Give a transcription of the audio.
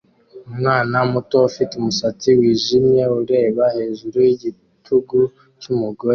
Umwana muto ufite umusatsi wijimye ureba hejuru yigitugu cyumugore